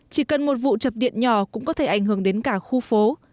chỉ cần một vụ chập điện nhỏ cũng có thể ảnh hưởng đến cả khu phố